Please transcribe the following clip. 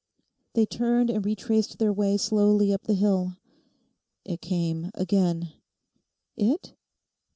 They turned and retraced their way slowly up the hill. 'It came again.' 'It?